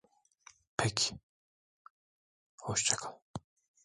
Peki, hoşça kal.